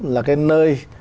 là cái nơi